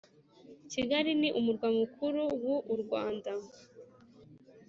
Kigali ni umurwa mukuru wu u Rwanda